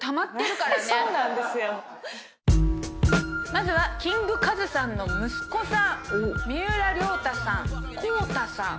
まずはキングカズさんの息子さん三浦太さん孝太さん